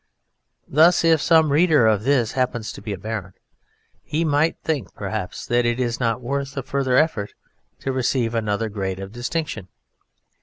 Thus, if some reader of this happens to be a baron, he might think perhaps that it is not worth a further effort to receive another grade of distinction.